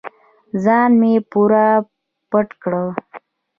ځان مې پوره پټ کړ.